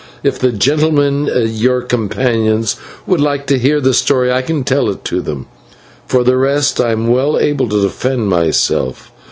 If the gentlemen your companions would like to hear the story I can tell it to them. For the rest, I am well able to defend myself.